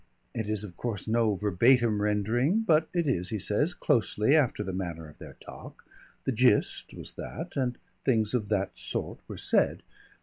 It is of course no verbatim rendering, but it is, he says, closely after the manner of their talk, the gist was that, and things of that sort were said.